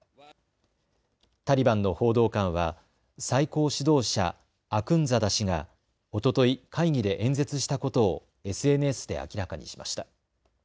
タリバンの報道官は最高指導者、アクンザダ師がおととい会議で演説したことをＳＮＳで明らかにしました。